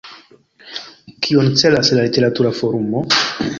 Kion celas la Literatura Forumo?